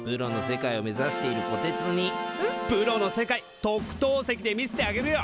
プロの世界特等席で見せてあげるよ！